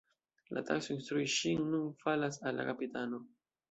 La tasko instrui ŝin nun falas al la kapitano.